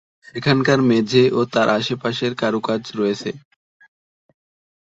সেখানকার মেঝে ও তার আশপাশের কারুকাজ রয়েছে।